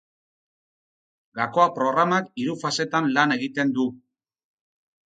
Gakoa programak hiru fasetan lan egiten du.